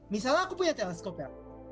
misalnya aku punya teleskop ya